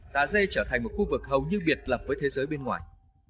tà dê trở thành một khu vực hầu như biệt lập với thế giới bên ngoài